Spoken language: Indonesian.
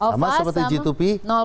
sama seperti g dua p